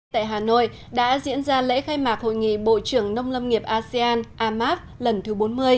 tại hà nội đã diễn ra lễ khai mạc hội nghị bộ trưởng nông lâm nghiệp asean amac lần thứ bốn mươi